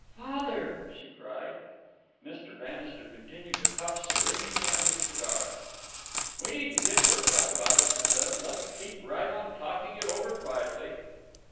"Father!" she cried. Mr. Bannister continued to puff serenely at his cigar. "We needn't get worked up about it," he said. "Let's keep right on talking it over quietly."